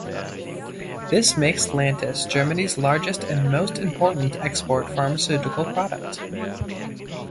This makes Lantus Germany's largest and most important export pharmaceutical product.